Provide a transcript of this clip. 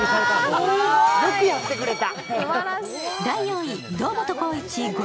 よくやってくれた。